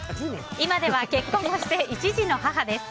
今では結婚もして１児の母です。